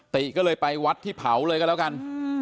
ติก็เลยไปวัดที่เผาเลยก็แล้วกัน